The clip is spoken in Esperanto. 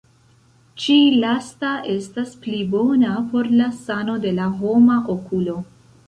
Ĉi lasta estas pli bona por la sano de la homa okulo.